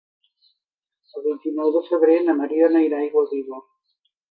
El vint-i-nou de febrer na Mariona irà a Aiguaviva.